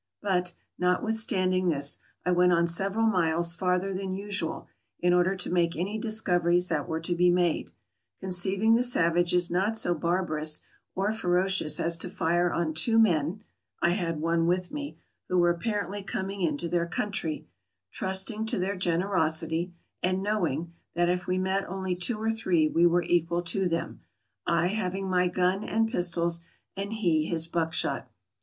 But, notwithstanding this, I went on several miles farther than usual, in order to make any discoveries that were to be made ; conceiving the savages not so barbarous or ferocious as to fire on two men (I had one with me) who were apparently coming into their country, trusting to their generosity; and knowing, that if we met only two or three we were equal to them, I having my gun and pistols and he his buckshot.